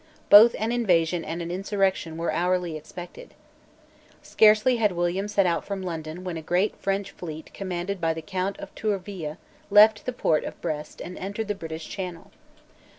Both an invasion and an insurrection were hourly expected, Scarcely had William set out from London when a great French fleet commanded by the Count of Tourville left the port of Brest and entered the British Channel.